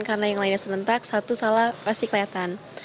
karena yang lainnya senentak satu salah pasti kelihatan